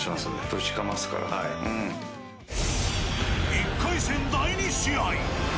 １回戦第２試合。